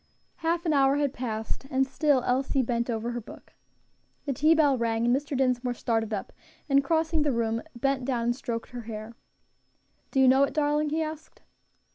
Half an hour had passed, and still Elsie bent over her book. The tea bell rang, and Mr. Dinsmore started up, and crossing the room, bent down and stroked her hair. "Do you know it, darling?" he asked.